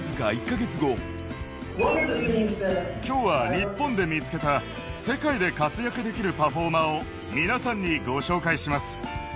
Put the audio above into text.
きょうは日本で見つけた世界で活躍できるパフォーマーを、皆さんにご紹介します。